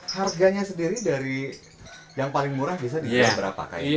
harganya sendiri dari yang paling murah bisa dijual berapa kain